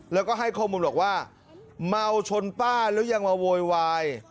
แล้วก็ให้ข้อมูลบอกว่าเมาชนป้าแล้วยังมาโวยวาย